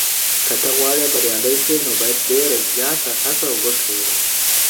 که ته غواړې بریالی شې نو باید ډېره زیاته هڅه وکړې.